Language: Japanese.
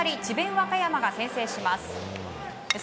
和歌山が先制します。